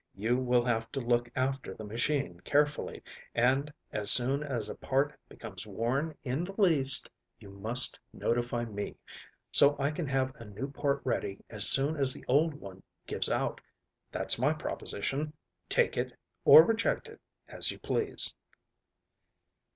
You will have to look after the machine carefully, and, as soon as a part becomes worn in the least you must notify me, so I can have a new part ready as soon as the old one gives out. That's my proposition. Take it, or reject it, as you please."